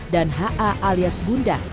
dan ha alias bunda